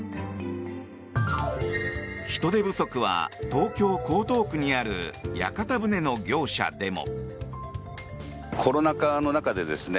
人手不足は東京・江東区にある屋形船の業者でも。